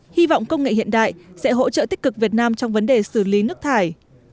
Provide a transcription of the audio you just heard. hy vọng công nghệ hiện đại sẽ hỗ trợ tích cực việt nam trong vấn đề xử lý nước thải